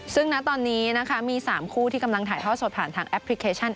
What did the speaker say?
ซึ่งณตอนนี้นะคะมี๓คู่ที่กำลังถ่ายทอดสดผ่านทางแอปพลิเคชัน